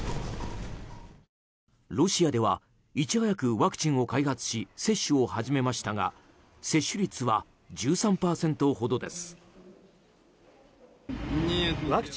ロシアではいち早くワクチンを開発し接種を始めましたが接種率は１３％ほどです。